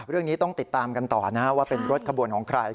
เรื่องนี้ต้องติดตามกันต่อนะว่าเป็นรถขบวนของใคร